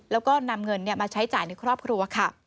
แล้วก็นำเงินมาใช้จ่ายในครอบครัวค่ะ